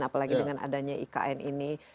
apalagi dengan adanya ikn ini